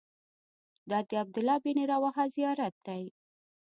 دا د عبدالله بن رواحه زیارت دی.